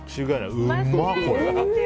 うま、これ。